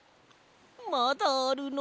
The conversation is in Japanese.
まだあるの？